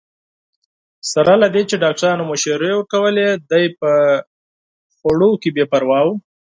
سره له دې چې ډاکټرانو مشورې ورکولې، دی په خوړو کې بې پروا وو.